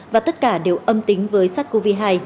và tất cả đều âm tính với sars cov hai